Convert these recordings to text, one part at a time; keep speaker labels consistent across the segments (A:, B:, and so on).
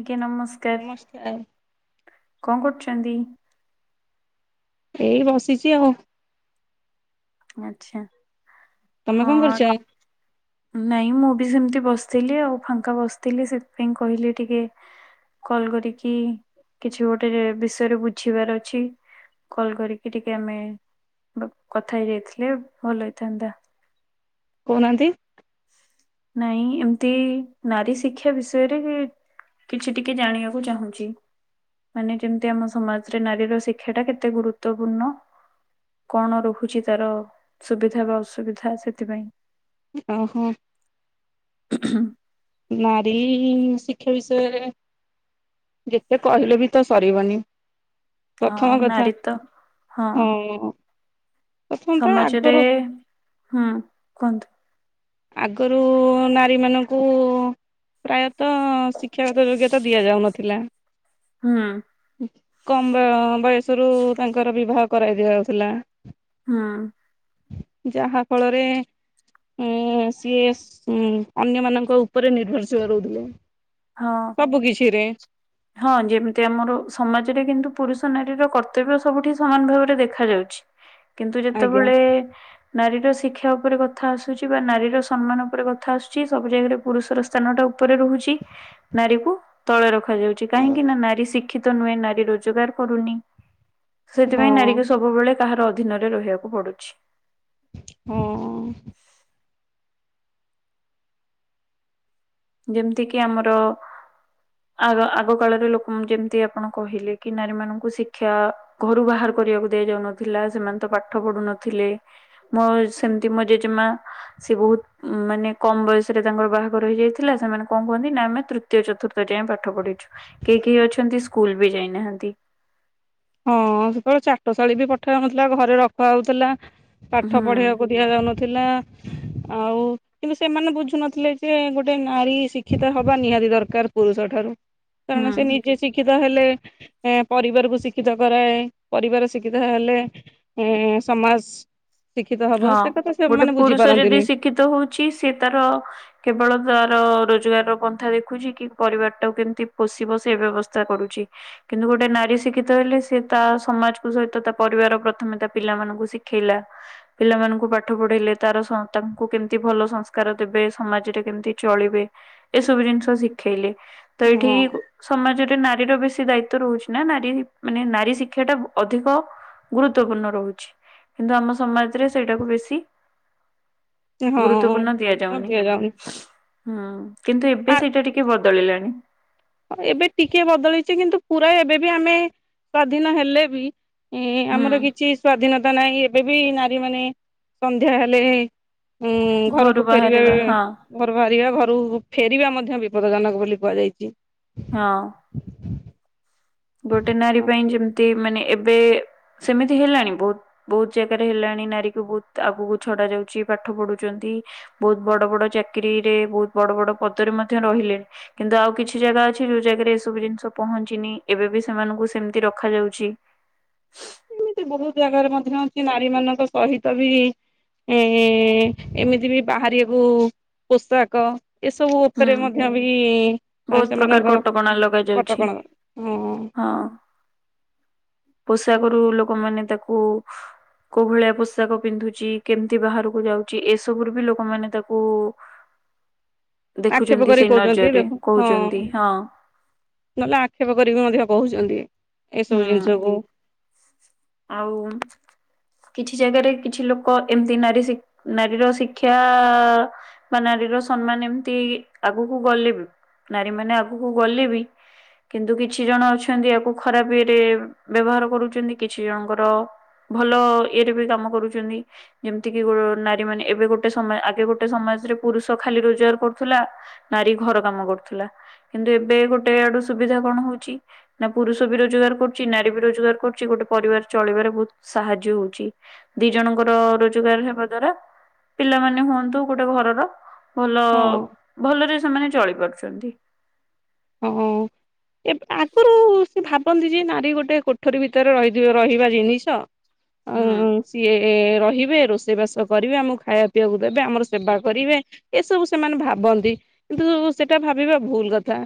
A: ଆଜ୍ଞା ନମସ୍
B: ନମସ୍କାର।
A: କଣ କରୁଛନ୍ତି?
B: ଏଇ ବସିଛି ଆଉ।
A: ଆଛା।
B: ତମେ କଣ କରୁଛ?
A: ନାଇଁ ମୁଁ ବି ସେମିତି ବସିଥିଲି ଆଉ। ଫାଙ୍କା ବସିଥିଲି ସେଥିପାଇଁ କହିଲି ଟିକେ କଲ୍ କରିକି କିଛି ଗୋଟେ ବିଷୟରେ ବୁଝିବାର ଅଛି। କଲ କରିକି ଟିକେ ଆମେ କଥା ହେଇଯାଇଥିଲେ ଭଲ ହେଇଥାନ୍ତା।
B: କହୁନାହାନ୍ତି
A: ନାଇଁ ଏମିତି ନାରୀ ଶିକ୍ଷା ବିଷୟରେ କିଛି ଟିକେ ଜାଣିବାକୁ ଚାହୁଁଚି। ମାନେ ଯେମିତି ଆମ ସମାଜରେ ନାରୀର ଶିକ୍ଷା ଟା କେତେ ଗୁରୁତ୍ୱପୂର୍ଣ୍ଣ? କଣ ରହୁଛି ତାର ସୁବିଧା ବା ଅସୁବିଧା ସେଥିପାଇଁ।
B: ଓହୋ।
A: ହଁ
B: ନାରୀ ଶିକ୍ଷା ବିଷୟରେ ଯେତେ କହିଲେ ବି ତ ସରିବନି।
A: ହଁ
B: ପ୍ରଥମ କଥା
A: ନାରୀ ତ
B: ହଁ। ପ୍ରଥମତଃ
A: ସମାଜରେ
B: ଆଗରୁ
A: ହୁଁ କୁହନ୍ତୁ
B: ଆଗରୁ ନାରୀ ମାନଙ୍କୁ ପ୍ରାୟତଃ ଶିକ୍ଷାଗତ ଯୋଗ୍ୟତା ଦିଆ ଯାଉନଥିଲା।
A: ହଁ
B: କମ ବ ବୟସରୁ ତାଙ୍କର ବିବାହ କରାଇ ଦିଆଯାଉଥିଲା।
A: ହଁ
B: ଯାହା ଫଳରେ [unintelligible] ସିଏ ଅନ୍ୟ ମାନଙ୍କ ଉପରେ ନିର୍ଭରଶୀଳ ରହୁଥିଲେ।
A: ହଁ
B: ସବୁ କିଛିରେ
A: ହଁ! ଯେମିତି ଆମର ସମାଜରେ କିନ୍ତୁ ପୁରୁଷ ନାରୀର କର୍ତ୍ତବ୍ୟ ସବୁଠି ସମାନ ଭାବରେ ଦେଖା ଯାଉଛି। କିନ୍ତୁ
B: ଆଜ୍ଞା
A: ଯେତେବେଳେ ନାରୀର ଶିକ୍ଷା ଉପରେ କଥା ଆସୁଛି ବା ନାରୀର ସମ୍ମାନ ଉପରେ କଥା ଆସୁଛି ସବୁ ଜାଗାରେ ପୁରୁଷର ସ୍ଥାନ ଟା ଉପରେ ରହୁଛି ନାରୀକୁ ତଳେ ରଖାଯାଉଛି କାହିଁକି ନା ନାରୀ ଶି କ୍ଷିତ ନୁହେଁ ନାରୀ ରୋଜଗାର କରୁନି। ସେଥିପାଇଁ
B: ହଁ
A: ନାରୀ କୁ ସବୁ ସବୁବେଳେ କାହାର ଅଧୀନରେ ରହିବାକୁ ପଡୁଛି।
B: ହଁ ଅଁ।
A: ଯେମିତିକି ଆମର ଆଗ ଆଗ କାଳରେ ଲୋକମାନେ କେମତି ଆପଣ କହିଲେ କି ନାରୀ ମାନଙ୍କୁ ଶିକ୍ଷା ଘରୁ ବାହାର କରିବାକୁ ଦିଆଯାଉ ନଥିଲା ସେମାନେ ତ ପାଠ ପଢୁ ନଥିଲେ। ମୋର ସେମିତି ମୋ ଜେଜେମା ସିଏ ବହୁତ ମାନେ କମ ବୟସରେ ତାଙ୍କର ବାହାଘର ହେଇଯାଇ ଥିଲା। ସେମାନେ କଣ କୁହନ୍ତି ନା ଆମେ ତୃ ତୃତିୟ ଚତୁର୍ଥ ଯାଏ ପାଠ ପଢିଛୁ କେହି କେହି ଅଛନ୍ତି ସ୍କୁଲ ବି ଯାଇନାହାନ୍ତି।
B: ହଁ! ସେତେବେଳେ ଚାଟଶାଳୀ ବି ପଠା ଯାଉନଥିଲା ଘରେ ରଖା ହଉଥିଲା ପାଠ
A: ହୁଁ
B: ପଢେଇବାକୁ ଦିଆ ଯାଉନଥିଲା। ଆଉ କିନ୍ତୁ ସେମାନେ ବୁଝୁନଥିଲେ ଯେ ଗୋଟେ ନାରୀ ଶିକ୍ଷିତ ହବା ନିହାତି ଦରକାର ପୁରୁଷ ଠାରୁ। କାରଣ
A: ହୁଁ
B: ସେ ନିଜେ ଶିକ୍ଷିତ ହେଲେ ପରିବାରକୁ ଶି ଶିକ୍ଷିତ କରାଏ। ପରିବାର ଶିକ୍ଷିତ ହେଲେ ଏଁ ସମାଜ ଶିକ୍ଷିତ ହେବ
A: ହଁ
B: ସେ କଥା
A: ଗୋଟେ
B: ସେମାନେ
A: ପୁରୁଷ ଯଦି
B: ବୁଝିପାରନ୍ତିନି।
A: ଶିକ୍ଷିତ ହଉଛି ସେ ତାର କେବଳ ତାର ରୋଜଗାର ର ପନ୍ଥା ଦେଖୁଛି କି ପରିବାର ଟାକୁ କେମିତି ପୋଷିବ ସେ ବ୍ୟବସ୍ଥା କରୁଛି। କିନ୍ତୁ ଗୋଟେ ନାରୀ ଶିକ୍ଷିତ ହେଲେ ସେ ତା ସମାଜକୁ ସହିତ ତା ପରିବାର ପ୍ରଥମେ ତା ପିଲାମାନଙ୍କୁ ଶି ଥିଲା। ପିଲାମାନଙ୍କୁ ପାଠ ପଢେଇଲେ ତାର ତାଙ୍କୁ କେମିତି ଭଲ ସଂସ୍କାର ଦେବେ ସମାଜରେ କେମିତି ଚଳିବେ। ଏ ସବୁ ଜିନିଷ ଶିଖେଇଲେ ତ ଏଇଠି
B: ହଁ
A: ସମାଜରେ ନାରୀର ବେଶୀ ଦାୟିତ୍ବ ରହୁଛି ନା ନାରୀ ମାନେ ନାରୀ ଶିକ୍ଷା ଟା ଅଧିକ ଗୁରୁତ୍ୱପୂର୍ଣ୍ଣ ରହୁଛି କିନ୍ତୁ ଆମ ସମାଜରେ ସେଇଟାକୁ ବେଶୀ ଗୁରୁତ୍ୱପୂର୍ଣ୍ଣ ଦିଆଯାଉନି। ହଁ! କିନ୍ତୁ ଏବେ
B: ଆ
A: ସେଇଟା ଟିକେ ବଦଳିଲାଣି।
B: ଏବେ ଟିକେ ବଦଳିଛି କିନ୍ତୁ ପୁରା ଏବେ ବି ଆମେ ସ୍ଵାଧୀନ ହେଲେ ବି ଇଁ
A: ହୁଁ
B: ଆମର କିଛି ସ୍ଵାଧୀନତା ନାହିଁ ଏବେ ବି ନାରୀ ମାନେ ସନ୍ଧ୍ୟା ହେଲେ ଉଁ
A: ଘରୁ
B: ଘରକୁ ଫେରିବେ
A: ବାହାରିବା ହଁ
B: ଘରୁ ବାହାରିବା ଘରୁକୁ ଫେରିବା ମଧ୍ୟ ବିପଦଜନକ ବୋଲି କୁହାଯାଇଛି।
A: ହଁ।
B: [inaudible]
A: ଗୋଟେ ନାରୀ ପାଇଁ ଯେମିତି ମାନେ ଏବେ ବେ ସେମିତି ହେଲାଣି ବହୁତ। ବହୁତ ଜାଗାରେ ହେଲାଣି ନାରୀ କୁ ବହୁତ ଆଗକୁ ଛଡା ଯାଉଛି ପାଠ ପଢୁଛନ୍ତି। ବହୁତ ବଡ ବଡ ଚାକିରିରେ ବହୁତ ବଡ ବଡ ପଦରେ ମଧ୍ୟ ରହିଲେଣି। କିନ୍ତୁ ଆଉ କିଛି ଜାଗା ଅଛି ଯୋଉ ଜାଗାରେ ଏସବୁ ଜିନିଷ ପହଞ୍ଚିନି। ଏବେବି ସେମାନଙ୍କୁ ସେମିତି ରଖାଯାଉଛି।
B: ଏମିତି ବହୁତ ଜାଗାରେ ମଧ୍ୟ ଅଛି ନାରୀ ମାନଙ୍କ ସହିତ ବି ଏଁ ଏଁ ଏମିତି ବି ବାହାରିବାକୁ ପୋଷାକ ଏସବୁ
A: ହୁଁ
B: ଉପରେ ମଧ୍ୟ ବି ଇ
A: ବହୁତ ପ୍ରକାର
B: ସେମାନଙ୍କର
A: କଟକଣା ଲଗାଯାଉଛି
B: କଟକଣା ହଁ
A: ହଁ। ପୋଷାକରୁ ଲୋକମାନେ ତାକୁ କୋଉ ଭଳିଆ ପୋଷାକ ପିନ୍ଧୁଚି କେମିତି ବାହାରକୁ ଯାଉଚି ଏସବୁ ରୁ ବି ଲୋକମାନେ ତାକୁ
B: ଆକ୍ଷେପ
A: ଦେଖୁଛନ୍ତି
B: କରିକି
A: ସେଇ
B: କହୁଛନ୍ତି
A: ନଜରରେ
B: ଦେଖୁ ହଁ
A: କହୁଛନ୍ତି ହଁ
B: ନହେଲେ ଆକ୍ଷେପ କରିକି ମଧ୍ୟ କହୁଛନ୍ତି ଏସବୁ
A: ହୁଁ
B: ଜିନିଷକୁ
A: ଆଉ କିଛି ଜାଗାରେ କିଛି ଲୋକ ଏମିତି ନାରୀ ସି ନାରୀର ଶିକ୍ଷା ଆ ବା ନାରୀର ସମ୍ମାନ ଏମିତି ଆଗକୁ ଗଲେ ବି ନାରୀ ମାନେ ଆଗକୁ ଗଲେ ବି କିନ୍ତୁ କିଛି ଜଣ ଅଛନ୍ତି ୟାକୁ ଖରାପ ଇଏରେ ବ୍ୟବହାର କରୁଛନ୍ତି କିଛି ଜଣଙ୍କର ଭଲ ଇଏରେ ବି କାମ କରୁଚ଼ନ୍ତି ଯେମିତି କିି ଗୋ ନାରୀ ମାନେ ଏବେ ଗୋଟେ ସମ ଆଗେ ଗୋଟେ ସମାଜରେ ପୁରୁଷ ଖାଲି ରୋଜଗାର କରୁଥିଲା ନାରୀ ଘର କାମ କରୁଥିଲା କିନ୍ତୁ ଏବେ ଗୋଟେ ଆଡୁ ସୁବିଧା କଣ ହଉଛି ନା ପୁରୁଷ ବି ରୋଜଗାର କରୁଚି ନାରୀ ବି ରୋଜଗାର କରୁଚି ଗୋଟେ ପରିବାର ଚଳିବାରେ ବହୁତ ସାହାଯ୍ୟ ହଉଛି ଦି ଜଣଙ୍କର ରୋଜଗାର ହେବା ଦ୍ଵାରା ପିଲାମାନେ ହୁଅନ୍ତୁ ଗୋଟେ ଘରର ଭଲ
B: ହଁ
A: ଭଲରେ ସେମାନେ ଚଳି ପାରୁଚ଼ନ୍ତି।
B: ହୁଁ। ଏବେ ଆଗରୁ ସେ ଭାବନ୍ତି ଯେ ନାରୀ ଗୋଟେ କୋଠରୀ ଭିତରେ ର ରହିବା ଜିନିଷ
A: ହୁଁ।
B: ଆଉ ସିଏ ରହିବେ ରୋଷେଇବାସ କରିବେ ଆମକୁ ଖାଇବା ପିଇବାକୁ ଦେବେ ଆମର ସେବା କରିବେ। ଏସବୁ ସେମାନେ ଭାବନ୍ତି କିନ୍ତୁ ସେଟା ଭାବିବା ଭୁଲ କଥା।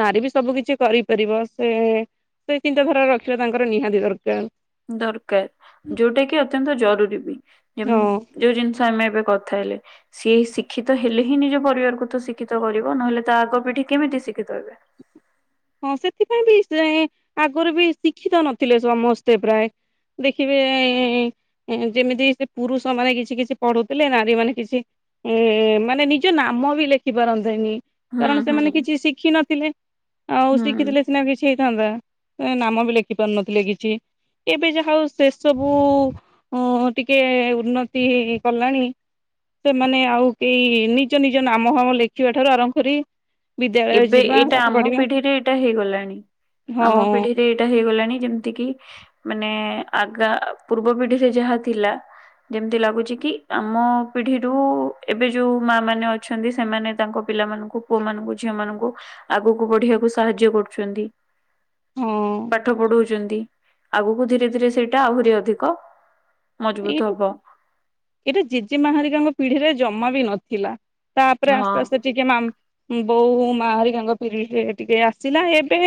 B: ନାରୀ ବି ସବୁ କିଛି କରିପାରିବ ସେ ସେ ଚିନ୍ତାଧାରା ରଖିବା ତାଙ୍କର ନିହାତି ଦରକାର।
A: ଦରକାର ଯୋଉଟା କି ଅତ୍ୟନ୍ତ ଜରୁରୀ ବି ଯେ
B: ହଁ।
A: ଯୋଉ ଜିନିଷ ଆମେ ଏବେ କଥା ହେଲେ। ସିଏ ଶିକ୍ଷିତ ହେଲେ ହିଁ ନିଜ ପରିବାରକୁ ତ ଶିକ୍ଷିତ କରିବ ନହେଲେ ତା ଆଗ ପିଢି କେମିତି ଶିକ୍ଷିତ ହେବେ? [inaudible]
B: ହଁ ସେଥିପାଇଁ ବି ସେ ଆଗରୁ ବି ଶିକ୍ଷିତ ନଥିଲେ ସମସ୍ତେ ପ୍ରାୟ। ଦେଖିବେ ଯେମିତି ସେ ପୁରୁଷ ମାନେ କିଛି କିଛି ପଢୁଥିଲେ ନାରୀ ମାନେ କିଛି ଏ ମାନେ ନିଜ ନାମ ବି ଲେଖି ପାରନ୍ତେନି
A: ହୁଁ
B: କାରଣ
A: ହୁଁ
B: ସେମାନେ କିଛି ଶିଖିିନଥିଲେ ଆଉ
A: ହୁଁ
B: ଶିଖିଥିଲେ କିଛି ନା କିଛି ହେଇଥାନ୍ତା ସେ ନାମ ବି ଲେଖି ପାରୁନଥିଲେ କିଛି। ଏବେ ଯାହା ହଉ ସେ ସବୁ ଉ ଟିକେ ଉନ୍ନତି କଲାଣି। ସେମାନେ ଆଉ କେହି ନିଜ ନିଜ ନାମ ହାମ ଲେଖିବା ଠାରୁ ଆରମ୍ଭ କରି ବିଦ୍ୟାଳୟ
A: ଏବେ
B: ଯିବା
A: ଏଇଟା
B: ପାଠ
A: ଆମ
B: ପଢିବା
A: ପିଢିରେ ଏଇଟା ହେଇଗଲାଣି
B: ହଁ
A: ଆମ ପିଢିରେ ହେଇଗଲାଣି ଯେମିତି କି ମାନେ ଆଗା ପୂର୍ବ ପିଢିରେ ଯାହା ଥିଲା ଯେମିତି ଲାଗୁଛି କି ଆମ ପିଢିରୁ ଏବେ ଯୋଉ ମା ମାନେ ଅଛନ୍ତି ସେମାନେ ତାଙ୍କ ପିଲାମାନଙ୍କୁ ପୁଅ ମାନଙ୍କୁ ଝିଅ ମାନଙ୍କୁ ଆଗକୁ ବଢିବାକୁ ସାହାଯ୍ୟ କରୁଛନ୍ତି
B: ହଁ।
A: ପାଠ ପଢୁ ଛନ୍ତି, ଆଗକୁ ଧୀରେ ଧୀରେ ସେଇଟା ଆହୁରି ଅଧିକ ମଜବୁତ ହବ।
B: ଏଟା ଜେଜେମା ହାରିକାଙ୍କ ପିଢିରେ ଜମା ବି ନଥିଲା ତାପରେ
A: ହଁ
B: ଆସ୍ତେ ଆସ୍ତେ ଟିକେ ମାମ୍‌ ବୋଉ ମା ହେରିକା ଙ୍କ ପିଢିରେ ଟିକେ ଆସିଲା ଏବେ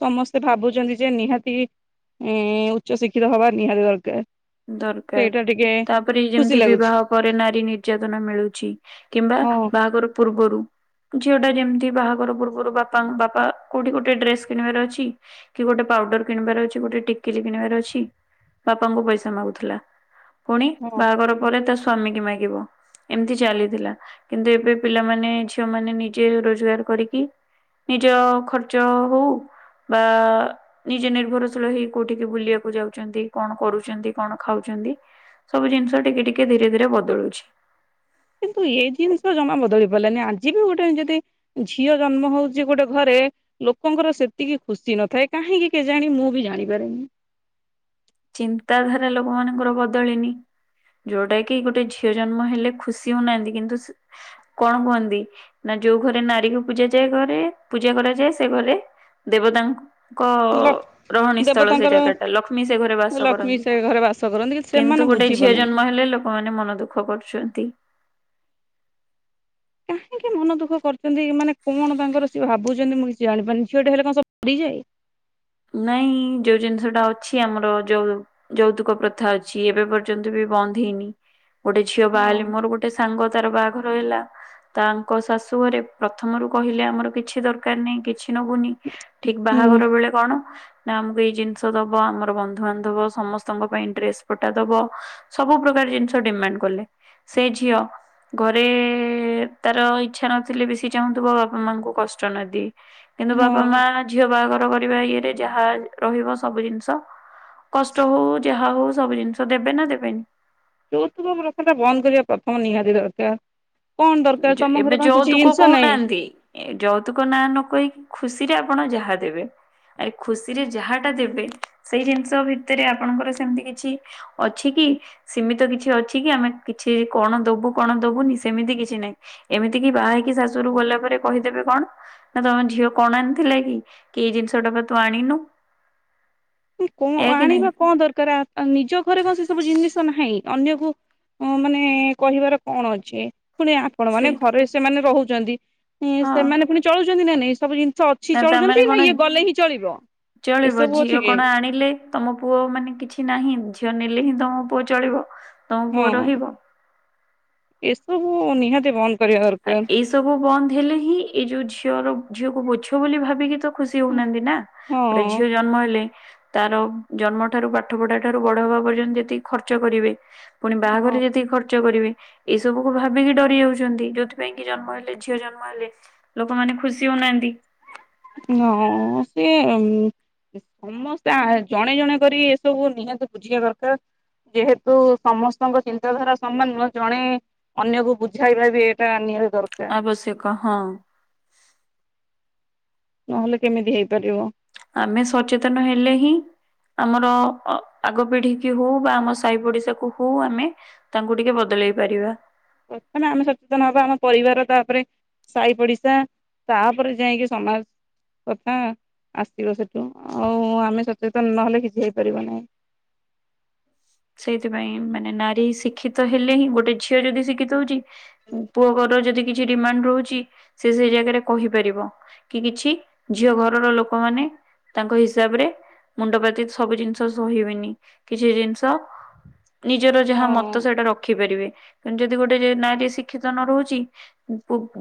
B: ସମସ୍ତେ ଭାବୁଚନ୍ତି ଯେ ନିହାତି ଉଚ୍ଚ ଶିକ୍ଷିତ ହବା ନିହାତି ଦରକାର।
A: ଦରକାର,
B: ସେଇଟା ଟିକେ
A: ତାପରେ
B: ଖୁସି
A: ଯେମିତି
B: ଲାଗୁଛି
A: ବିବାହ ପରେ ନାରୀ ନିର୍ଯାତନା ମିଳୁଛି। କିମ୍ବା
B: ହଁ
A: ବାହାଘର ପୂର୍ବରୁ। ଝିଅଟା ଯେମିତି ବାହାଘର ପୂର୍ବରୁ ବାପା ବାପା କୋଉଠି ଗୋଟେ ଡ୍ରେସ କିଣିବାର ଅଛି କି ଗୋଟେ ପାଉଡର କିଣିବାର ଅଛି ଗୋଟେ ଟିକିଲି କିଣିବାର ଅଛି ବାପାଙ୍କୁ ପଇସା ମାଗୁଥିଲା ପୁଣି
B: ହଁ
A: ବାହାଘର ପରେ ତା ସ୍ଵାମୀ କି ମାଗିବ। ଏମିତି ଚାଲିଥିଲା କିନ୍ତୁ ଏବେ ପିଲାମାନେ ଝିଅମାନେ ନିଜେ ରୋଜଗାର କରିକି ନିଜ ଖର୍ଚ୍ଚ ହଉ ବା ନିଜେ ନିର୍ଭରଶୀଳ ହେଇ କୋଉଠିକି ବୁଲିବାକୁ ଯାଉଛନ୍ତି କଣ କରୁଛନ୍ତି। କଣ ଖାଉଛନ୍ତି ସବୁ ଜିନିଷ ଟିକେ ଟିକେ ଧୀରେ ଧୀରେ ବଦଳୁଛି।
B: କିନ୍ତୁ ଏଇ ଜିନିଷ ଜମା ବଦଳି ପାରିଲାନି ଆଜି ବି ଗୋଟେ ଯଦି ଝିଅ ଜନ୍ମ ହଉଛି ଗୋଟେ ଘରେ ଲୋକଙ୍କର ସେତିକି ଖୁସି ନଥାଏ କାହିଁକି କେଜାଣି ମୁଁ ବି ଜାଣିପାରେନି।
A: ଚିନ୍ତାଧାରା ଲୋକମାନଙ୍କର ବଦଳିନି। ଯୋଉଟା କି ଗୋଟେ ଝିଅ ଜନ୍ମ ହେଲେ ଖୁସି ହଉନାହାନ୍ତି କିନ୍ତୁ କଣ କୁହନ୍ତି ନା ଯୋଉ ଘରେ ନାରୀ କୁ ପୂଜା ଯାଏ ଘରେ ପୂଜା କରାଯାଏ ସେ ଘରେ ଦେବତାଙ୍କ
B: ଲ
A: ରହଣୀ ସ୍ଥଳ ସେ
B: ଦେବତାଙ୍କର
A: ଜାଗାଟା ଲକ୍ଷ୍ମୀ ସେ ରେ ବାସ
B: ଲକ୍ଷ୍ମୀ
A: କରନ୍ତି
B: ସେ ଘରେ ବାସ କରନ୍ତି କି ସେମାନେ
A: କିନ୍ତୁ ଗୋଟେ
B: ବୁଝି
A: ଝିଅ
B: ପାରୁନାହାନ୍ତି।
A: ଜନ୍ମ ହେଲେ ଲୋକମାନେ ମନ ଦୁଃଖ କରୁଛନ୍ତି।
B: କାହିଁକି
A: [inaudible]
B: ମନ ଦୁଃଖ କରିଛନ୍ତି ମାନେ କଣ ତାଙ୍କର ସିଏ ଭାବୁଛନ୍ତି ମୁଁ କିଛି ଜାଣିପାରୁନି ଝିଅଟେ ହେଲେ କଣ ସବୁ ପଡିଯାଏ?
A: ନାଇଁ ଯୋଉ ଜିନିଷ ଟା ଅଛି ଆମର ଯୋଉ ଯୌତୁକ ପ୍ରଥା ଅଛି ଏବେ ପର୍ଯ୍ୟନ୍ତ ବି ବନ୍ଦ ହେଇନି ଗୋଟେ ଝିଅ ବାହାହେଲେ
B: ହଁ।
A: ମୋର ଗୋଟେ ଏ ସାଙ୍ଗ ତାର ବାହାଘର ହେଲା। ତାଙ୍କ ଶାଶୁ ଘରେ ପ୍ରଥମରୁ କହିଲେ ଆମର କିଛି ଦରକାର ନାହିଁ କିଛି ନବୁନି। ଠିକ
B: ହୁଁ
A: ବାହାଘର ବେଳେ କଣ? ନା ଆମକୁ ଏଇ ଜିନିଷ ଦବ, ଆମର ବନ୍ଧୁବାନ୍ଧବ ସମସ୍ତଙ୍କ ପାଇଁ ଡ୍ରେସ ପଟା ଦବ। ସବୁ ପ୍ରକାର ଜିନିଷ ଡିମାଣ୍ଡ କଲେ ସେ ଝିଅ ଘରେ ତାର ଇଚଛା ନଥିଲେ ବେଶୀ ଚାହୁଁଥିବ ବାପା ମାଙ୍କୁ କଷ୍ଟ ନଦିଏ। କିନ୍ତୁ ବାପା ମା
B: ହଁ
A: ଝିଅ ବାହାଘର କରିବା ଇଏରେ ଯାହା ରହିବ ସବୁ ଜିନିଷ କଷ୍ଟ ହଉ ଯାହା ହଉ ସବୁ ଜିନିଷ ଦେବେ ନା ଦେବେନି?
B: ଯୌତୁକ ପ୍ରଥାଟା ବନ୍ଦ କରିବା ପ୍ରଥମ ନିହାତି ଦରକାର। କଣ ଦରକାର
A: ଯ
B: ତମ
A: ଏବେ
B: ଘରେ କଣ କିଛି
A: ଯୌତୁକ
B: ଜିନିଷ ନାହିଁ।
A: କହୁନାହାନ୍ତି ଯୌତୁକ ନାଁ ନ କହିକି ଖୁସିରେ ଆପଣ ଯାହା ଦେବେ। ଆରେ ଖୁସିରେ ଯାହା ଟା ଦେବେ ସେଇ ଜିନିଷ ଭିତରେ ଆପଣଙ୍କର ସେମିତି କିଛି ଅଛି କି ସୀମିତ ତ କିଛି ଅଛି କି ଆମେ କିଛି କଣ ଦବୁ କଣ ଦବୁନି ସେମିତି କିଛି କିଛି ନାଇଁ ଏମିତି କିି ବାହା ହେଇକି ଶାଶୁ ଘରକୁ ଗଲା ପରେ କହିଦେବେ କଣ? ନା ତମ ଝିଅ କଣ ଆଣିଥିଲା କି, କି ଏଇ ଜିନିଷ ଟା ତୁ ଆଣିନୁ।
B: କନ
A: ଏଇଆ କି ନାହିଁ
B: ଆଣିବା କଣ ଦରକାର ନିଜ ଘରେ କଣ ସେ ସବୁ ଜିନିଷ ନାହିଁ ଅନ୍ୟକୁ ହ ମାନେ କହିବାର କଣ ଅଛି ପୁଣି ଆପଣ ମାନେ
A: ସେ
B: ଘରେ ସେମାନେ ରହୁଛନ୍ତି
A: ହଁ
B: ସେମାନେ ପୁଣି ଚଳୁଉଛନ୍ତି ନା ନାଇଁ ସବୁ ଜିନି ଶ ଅଛି
A: ନା ତାମାନେ
B: ଚଳୁଛନ୍ତି
A: କଣ
B: ନା ଇଏ ଗଲେ ହିଁ ଚଳିବ
A: ଚଳିବ
B: ଏସବୁ
A: ଝିଅ
B: ଅଛି କି?
A: କଣ ଆଣିଲେ। ତମ ପୁଅ ମାନେ କିଛି ନାହିଁ ଝିଅ ନେଲେ ହିଁ ତମ ପୁଅ ଚଳିବ। ତମ
B: ହଁ
A: ପୁଅ ରହିବ।
B: ଏସବୁ ନିହାତି ବନ୍ଦ କରିବା
A: ଆ
B: ଦରକାର।
A: ଏଇ ସବୁ ବନ୍ଦ ହେଲେ ହିଁ ଏଇ ଯୋଉ ଝିଅର ଝିଅକୁ ବୋଛ ବୋଲି ଭାବିକି ତ ଖୁସି ହଉନାହାନ୍ତି ନା, ଗୋଟେ
B: ହଁ
A: ଝିଅ ଜନ୍ମ ହେଲେ ତାର ଜନ୍ମ ଠାରୁ, ପାଠ ପଢା ଠାରୁ, ବଡ ହବା ପର୍ଯ୍ୟନ୍ତ ଯେତିକି ଖର୍ଚ୍ଚ କରିବେ ପୁଣି ବାହାଘର
B: ହଁ
A: ଯେତିକି ଖର୍ଚ୍ଚ କରିବେ ଏଇ ସବୁକୁ ଭାବିକି ଡରି ଯାଉଛନ୍ତି ଯୋଉଥି ସେଥିପାଇଁ କି ଜନ୍ମ ହେଲେ, ଝିଅ ଜନ୍ମ ହେଲେ, ଲୋକମାନେ ଖୁସି ହଉନାହାନ୍ତି।
B: ହଁ ସେ ସମସ୍ତେ ଆ ଜଣେ ଜଣେ କରି ଏସବୁ ନିହାତି ବୁଝିବା ଦରକାର। ଯେହେତୁ ସମସ୍ତଙ୍କ ଚିନ୍ତାଧାରା ସମାନ ନୁହ ଜଣେ ଅନ୍ୟକୁ ବୁଝାଇବା ବି ଏଇଟା ନିହାତି ଦରକାର।
A: ଆବଶ୍ୟକ ହଁ।
B: ନହେଲେ କେମିତି ହେଇପାରିବ।
A: ଆମେ ସଚେତନ ହେଲେ ହିଁ। ଆମର ଆଗ ପିଢି କି ହଉ ବା ଆମ ସାହି ପଡିଶାକୁ ହଉ ଆମେ ତାଙ୍କୁ ଟିକେ ବଦଳେଇ ପାରିବା।
B: ପ୍ରଥମେ ଆମେ ସଚେତନ ହବା ଆମ ପରିବାର ତାପରେ ସହି ପଡିଶା ତାପରେ ଯାଇକି ସମାଜ। କଥା ଆସିବ ସେଠୁ ଆଉ ଆମେ ସଚେତନ ନହେଲେ କିଛି ହେଇପାରିବ ନାହିଁ।
A: ସେଇଥିପାଇଁ ମାନେ ନାରୀ ଶିକ୍ଷିତ ହେଲେ ହିଁ ଗୋଟେ ଝିଅ ଯଦି ଶିକ୍ଷିତ ହଉଛି ପୁଅ ଘରୁ ଯଦି କିଛି ଡିମାଣ୍ଡ ରହୁଛି, ସେ ସେଇ ଜାଗାରେ କହିପାରିବ। କି କିଛି ଝିଅ ଘରର ଲୋକମାନେ ତାଙ୍କ ହିସାବରେ ମୁଣ୍ଡପାତିକି ସବୁ ଜିନିଷ ସହିବନି କିଛି ଜିନିଷ ନିଜର ଯାହା
B: ହଁ
A: ମତ ସେଇଟା ରଖିପାରିବେ କିନ୍ତୁ ଯଦି ଗୋଟେ ନାରୀ ଶିକ୍ଷିତ ନ ହହୁଛି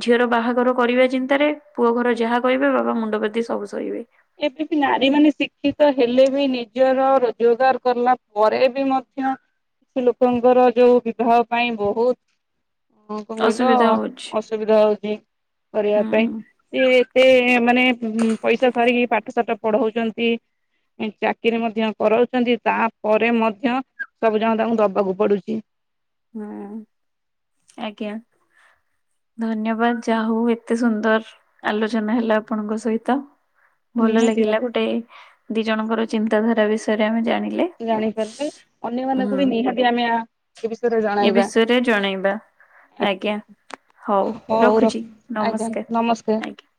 A: ଝିଅର ବାହାଘର କରିବା ଚିନ୍ତାରେ ପୁଅ ଘର ଯାହା କହିବେ ବାବା ମୁଣ୍ଡ ପାତି ସବୁ ସହିବେ।
B: ଏବେ ବି ନାରୀମାନେ ଶିକ୍ଷିତ ହେଲେ ବି ନିଜର ରୋଜଗାର କଲା ପରେ ବି ମଧ୍ୟ ସେ ଲୋକଙ୍କର ଯୋଉ ବିବାହ ପାଇଁ ବହୁତ କଣ କହିଲ
A: ଅସୁବିଧା ହଉଛି
B: ଅସୁବିଧା ହଉଛି କରିବା
A: ହୁଁ
B: ପାଇଁ। ସେ ଏତେ ମାନେ ପଇସା ସାରିକି ପାଠ ସାଠ ପଢ଼ଉଚନ୍ତି। ଇ ଚାକିରି ମଧ୍ୟ କରାଉଚନ୍ତି ତାପରେ ମଧ୍ୟ ସବୁଜାକ ତାଙ୍କୁ ଦବାକୁ ପଡ଼ୁଚି।
A: ହୁଁ ଆଜ୍ଞା। ଧନ୍ୟବାଦ ଯାହାହଉ ଏତେ ସୁନ୍ଦର ଆଲୋଚନା ହେଲା ଆପଣଙ୍କ ସହିତ। ଭଲ
B: ନିହାତି
A: ଲାଗିଲା
B: ଭାବେ
A: ଗୋଟେ ଦିଜଣଙ୍କର ଚିନ୍ତାଧାରା ବିଷୟରେ ଆମେ ଜାଣିଲେ।
B: ଜାଣିପାରିଲେ
A: ହୁଁ
B: ଅନ୍ୟମାନାନଙ୍କୁ ବି ନିହାତି ଆମେ ଆ
A: ଏ ବିଷୟରେ ଜଣେଇବା। ଆଜ୍ଞା ହଉ ରଖୁଛି ନମସ୍କାର ଆଜ୍ଞା।